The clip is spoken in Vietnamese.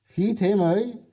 khí thế mới